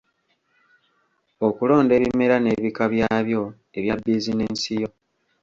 Okulonda ebimera n’ebika byabyo ebya bizinensi yo.